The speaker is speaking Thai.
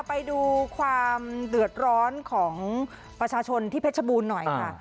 ไปดูความเดือดร้อนของประชาชนที่เพชรบูรณ์หน่อยค่ะ